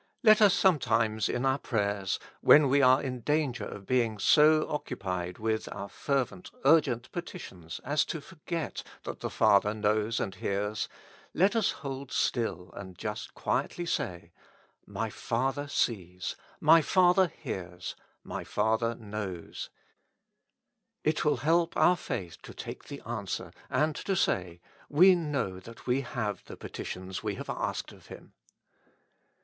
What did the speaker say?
Let us sometimes in our prayers, when we are in dan ger of being so occupied with our fervent, urgent petitions, as to forget that the Father knows and hears, let us hold till and just quietly say : My Father sees, my Father hears, my Father knows ; it will help our faith to take the answer, and to say : We know that we have the petitions we have asked of Him.